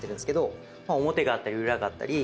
表があったり裏があったり。